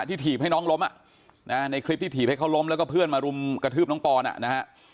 ถีบให้น้องล้มในคลิปที่ถีบให้เขาล้มแล้วก็เพื่อนมารุมกระทืบน้องปอนนะฮะ